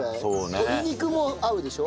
鶏肉も合うでしょ？